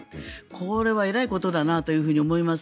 これはえらいことだなと思います。